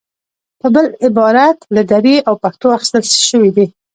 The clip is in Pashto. په بل عبارت له دري او پښتو اخیستل شوې دي.